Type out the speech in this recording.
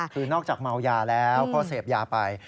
คือนอกจากเมายาแล้วเพราะเสพยาไป